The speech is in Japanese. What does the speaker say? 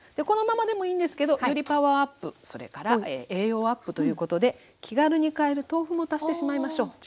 このままでもいいんですけどよりパワーアップそれから栄養アップということで気軽に買える豆腐も足してしまいましょう。